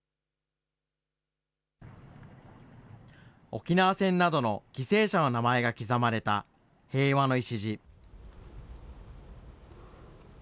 沖縄戦などの犠牲者の名前が刻まれた平和の礎。